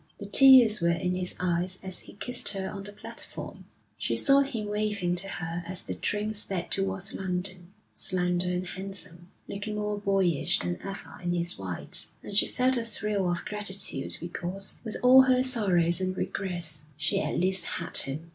The tears were in his eyes as he kissed her on the platform. She saw him waving to her as the train sped towards London, slender and handsome, looking more boyish than ever in his whites; and she felt a thrill of gratitude because, with all her sorrows and regrets, she at least had him.